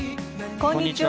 こんにちは。